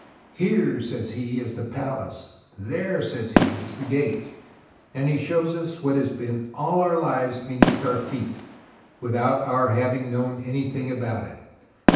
' Here,' says he, ' is the palace ; there,' says he, ' is the gate ;' and he shows us what has been all our lives beneath our feet, without our having known anything about it.